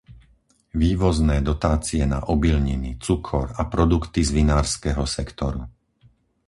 Vývozné dotácie na obilniny, cukor a produkty z vinárskeho sektoru.